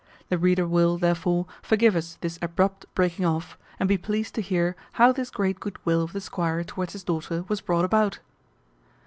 The reader will, therefore, forgive us this abrupt breaking off, and be pleased to hear how this great good will of the squire towards his daughter was brought about.